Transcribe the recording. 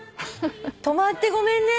止まってごめんね。